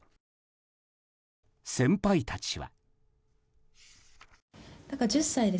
先輩たちは。